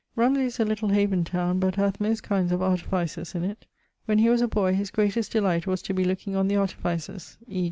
Rumsey is a little haven towne, but hath most kinds of artificers in it. When he was a boy his greatest delight was to be looking on the artificers, e.